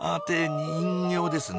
人形ですね